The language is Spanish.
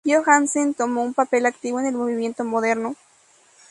Johansen tomó un papel activo en el movimiento moderno.